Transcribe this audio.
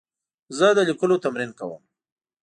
زه د لیکلو تمرین کوم.